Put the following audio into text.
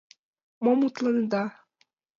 — Мом мутланеда?